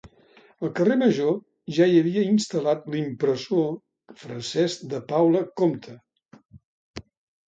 Al carrer Major ja hi havia instal·lat l'impressor Francesc de Paula Compte.